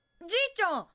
じいちゃん！